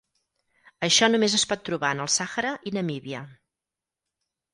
Això només es pot trobar en el Sàhara i Namíbia.